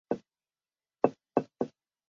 乌埃尔森是德国下萨克森州的一个市镇。